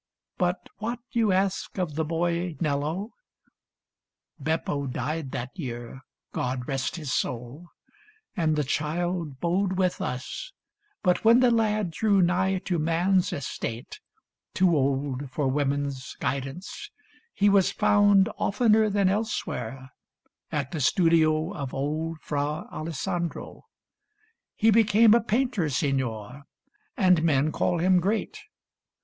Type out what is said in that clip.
But what, you ask, Of the boy Nello ? Beppo died that year — God rest his soul !— and the child 'bode with us. But when the lad drew nigh to man's estate — Too old for women's guidance — he was found Oftener than elsewhere at the studio Of old Fra Alessandro. He became A painter, Signor, and men call him great.